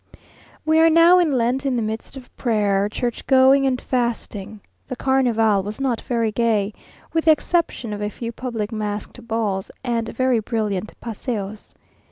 We are now in Lent in the midst of prayer, church going, and fasting. The carnival was not very gay, with the exception of a few public masked balls and very brilliant paseos.